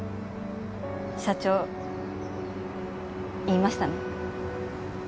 社長言いましたね？